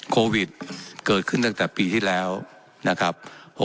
โควิดเกิดขึ้นตั้งแต่ปีที่แล้วนะครับ